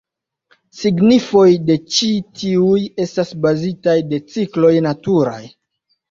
Signifoj de ĉi tiuj estas bazitaj de cikloj naturaj.